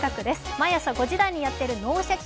毎朝５時台にやっている「脳シャキ！